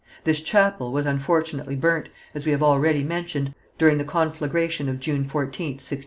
This chapel was unfortunately burnt, as we have already mentioned, during the conflagration of June 14th, 1640.